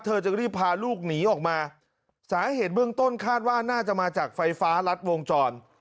จึงรีบพาลูกหนีออกมาสาเหตุเบื้องต้นคาดว่าน่าจะมาจากไฟฟ้ารัดวงจร